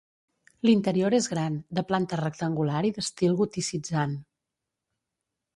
L'interior és gran, de planta rectangular i d'estil goticitzant.